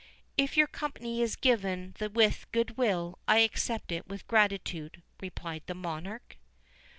"If your company is given with good will, I accept it with gratitude," replied the monarch.